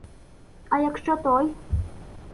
А якщо той.